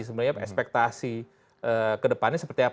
sebenarnya ekspektasi ke depannya seperti apa